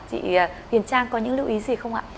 chị huyền trang có những lưu ý gì không ạ